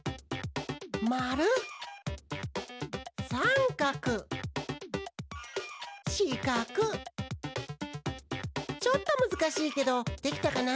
まるさんかくしかくちょっとむずかしいけどできたかな？